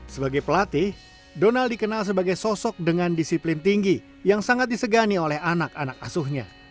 sebagai pelatih donald dikenal sebagai sosok dengan disiplin tinggi yang sangat disegani oleh anak anak asuhnya